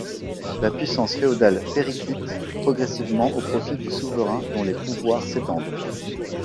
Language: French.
La puissance féodale périclite progressivement au profit du souverain dont les pouvoirs s’étendent.